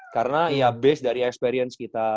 karena ya base dari experience kita